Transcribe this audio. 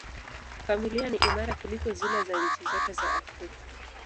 Familia ni imara kuliko zile za nchi zote za Afrika.